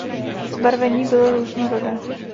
Zbarvení bylo různorodé.